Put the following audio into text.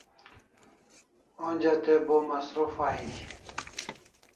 Onja te bo masruf aini